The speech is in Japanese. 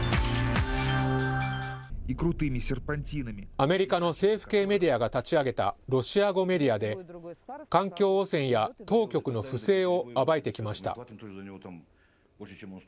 アメリカの政府系メディアが立ち上げたロシア語メディアで、環境汚染や当局の不正を暴いてきました。